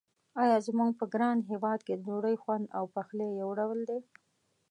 آیا زموږ په ګران هېواد کې د ډوډۍ خوند او پخلی یو ډول دی.